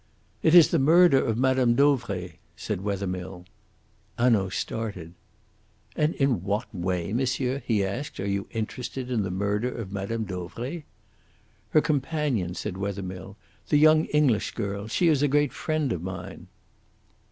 "It is the murder of Mme. Dauvray," said Wethermill. Hanaud started. "And in what way, monsieur," he asked, "are you interested in the murder of Mme. Dauvray?" "Her companion," said Wethermill, "the young English girl she is a great friend of mine."